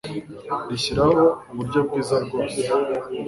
rishyiraho uburyo bwiza bwose